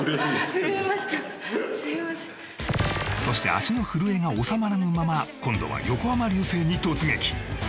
そして足の震えがおさまらぬまま今度は横浜流星に突撃